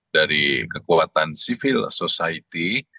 dari kekuatan civil society